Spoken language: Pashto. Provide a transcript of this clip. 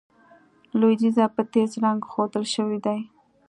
لوېدیځه په تېز رنګ ښودل شوي دي.